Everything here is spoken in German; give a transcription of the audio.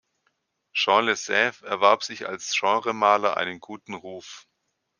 Jean le Saive erwarb sich als Genremaler einen guten Ruf.